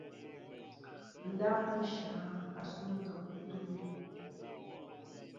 Ndáw e nsháŋa asó mbón edube.